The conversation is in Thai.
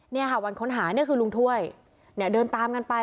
เนี่ยค่ะวันค้นหาเนี่ยคือลุงถ้วยเนี่ยเดินตามกันไป